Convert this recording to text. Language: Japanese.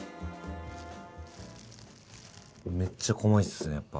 めっちゃ細いっすねやっぱ。